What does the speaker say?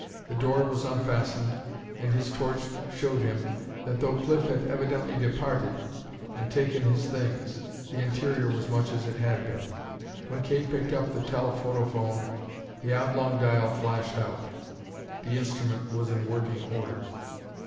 The door was unfastened, and his torch showed him that, though Cliff had evidently departed, and taken his things, the interior was much as it had been. When Kay picked up the telephotophone, the oblong dial flashed out. The instrument was in working order.